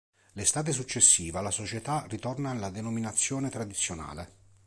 L'estate successiva la società ritorna alla denominazione tradizionale.